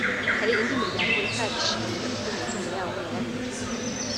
hari n’indi miryango itarishimiye uko imitungo yabo yabaruwe